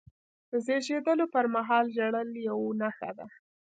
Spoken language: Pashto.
د زیږېدلو پرمهال ژړل یوه نښه ده.